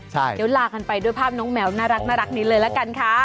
เดี๋ยวลากันไปด้วยภาพน้องแมวน่ารักนี้เลยละกันค่ะ